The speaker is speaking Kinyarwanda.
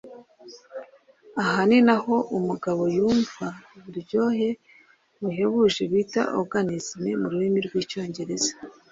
aha ninaho umugabo yumva uburyohe buhebuje bita Orgasm mu rurimi rw’icyongereza